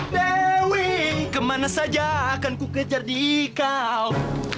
dewi kemana saja akan ku kejar di kau